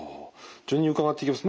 順に伺っていきます。